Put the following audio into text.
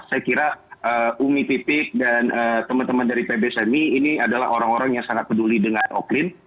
saya kira umi pipik dan teman teman dari pbsmi ini adalah orang orang yang sangat peduli dengan oklin